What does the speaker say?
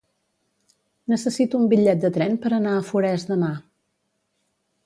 Necessito un bitllet de tren per anar a Forès demà.